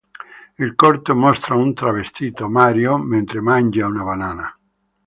Il corto mostra un travestito, Mario, mentre mangia una banana.